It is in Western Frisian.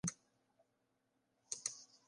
Doe't er it plein op rûn, wie de skoalle al yn.